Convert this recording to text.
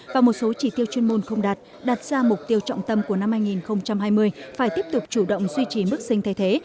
và một số chỉ tiêu chuyên môn không đạt đạt ra mục tiêu trọng tâm của năm hai nghìn hai mươi phải tiếp tục chủ động duy trì mức sinh thay thế